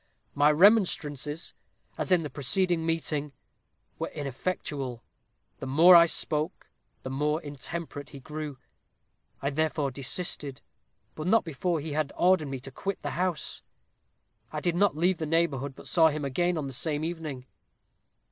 My remonstrances, as in the preceding meeting, were ineffectual. The more I spoke, the more intemperate he grew. I therefore desisted, but not before he had ordered me to quit the house. I did not leave the neighborhood, but saw him again on the same evening.